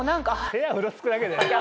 部屋うろつくだけで？